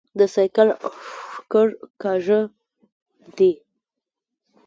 د سايکل ښکر کاژه دي